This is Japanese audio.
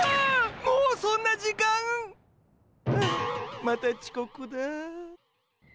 もうそんな時間！？はあまたちこくだ。